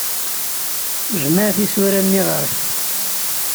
Jmeɛ tisura-nni ɣur-k.